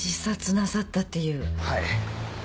はい。